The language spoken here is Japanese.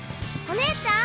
お姉ちゃん？